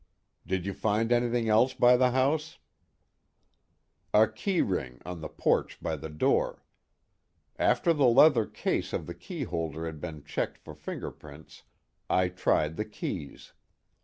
"Did you find anything else by the house?" "A key ring, on the porch by the door. After the leather case of the key holder had been checked for fingerprints, I tried the keys.